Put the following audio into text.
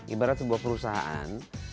ibarat sebuah perusahaan